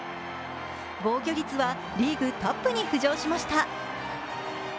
防御率はリーグトップに浮上しました。